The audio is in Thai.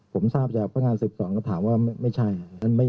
ผมทราบจะเอาพลังงาน๑๒ก็ถามว่าไม่ใช่